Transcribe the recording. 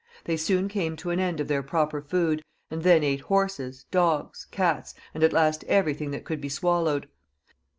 They soon came to an end of their proper food, and then ate horses, dogs, cats, and at last everything that could be swallowed.